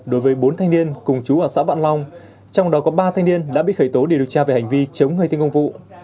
đối với bốn thanh niên cùng chú ở xã vạn long trong đó có ba thanh niên đã bị khởi tố để điều tra về hành vi chống người thinh công vụ